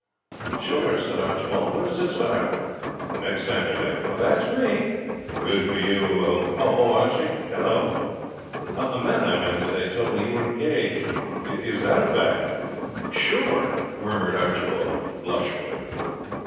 'Sure,' said Archibald. 'When does it start?' 'Next Saturday.' 'That's me.' 'Good for you. Oh, Archie.' 'Hello?' 'A man I met today told me you were engaged. Is that a fact?' 'Sure,' murmured Archibald, blushfully.